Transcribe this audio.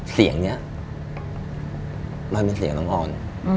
เสียงนี้มันเป็นเสียงน้องออน